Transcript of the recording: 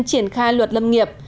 triển khai luật lâm nghiệp